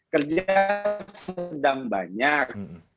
kerja sedang banyak